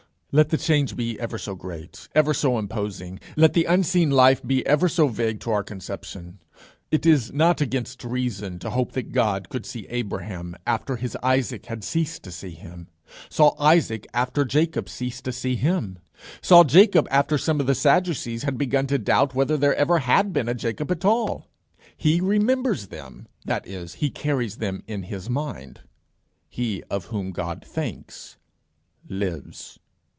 Let the change be ever so great, ever so imposing; let the unseen life be ever so vague to our conception, it is not against reason to hope that God could see Abraham, after his Isaac had ceased to see him; saw Isaac after Jacob ceased to see him; saw Jacob after some of the Sadducees had begun to doubt whether there ever had been a Jacob at all. He remembers them; that is, he carries them in his mind: he of whom God thinks, lives.